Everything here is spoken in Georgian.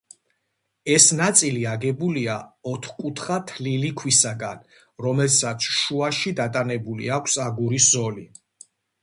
ეს ნაწილი აგებულია ოთხკუთხა თლილი ქვისაგან, რომელსაც შუაში დატანებული აქვს აგურის ზოლი.